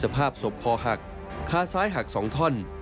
สภาพศพคอหักคาซ้ายหัก๒ท่อน